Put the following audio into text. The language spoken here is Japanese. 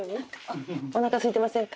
おなかすいてませんか？